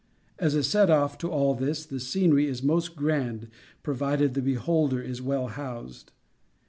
As a set off to all this, the scenery is most grand provided the beholder is well housed.